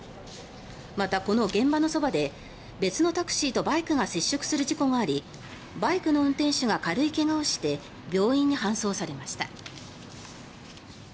また、この現場のそばで別のタクシーとバイクが接触する事故がありバイクの運転手が軽い怪我をして病院に搬送されました。